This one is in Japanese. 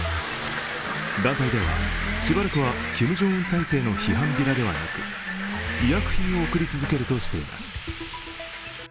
団体では、しばらくはキム・ジョンウン体制の批判ビラではなく医薬品を送り続けるとしています。